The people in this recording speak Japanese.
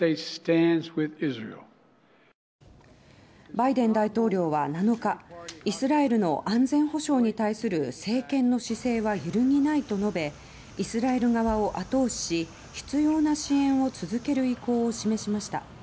バイデン大統領は７日イスラエルの安全保障に対する政権の姿勢は揺るぎないと述べイスラエル側を後押しし必要な支援を続ける意向を示しました。